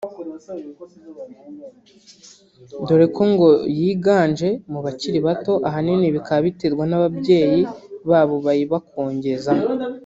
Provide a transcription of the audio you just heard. dore ko ngo yiganje mu bakiri bato ahanini bikaba biterwa n’ababyeyi babo bayibakongezamo